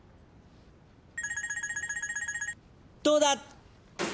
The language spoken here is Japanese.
どうだ？